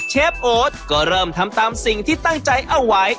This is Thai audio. เชฟโอ๊ตก็เริ่มทำตามสิ่งที่ตั้งใจเอาไว้